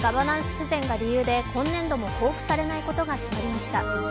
不全が理由で今年度も交付されないことが決まりました。